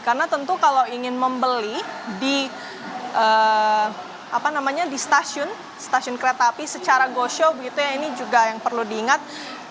karena tentu kalau ingin membeli di stasiun kereta api secara go show ini juga yang perlu diingat